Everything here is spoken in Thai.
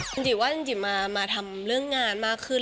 จริงจริงว่าจริงจริงมาทำเรื่องงานมากขึ้น